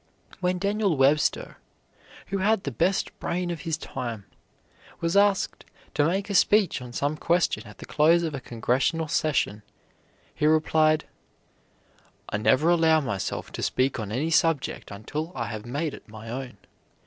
When Daniel Webster, who had the best brain of his time, was asked to make a speech on some question at the close of a Congressional session, he replied: "I never allow myself to speak on any subject until I have made it my own.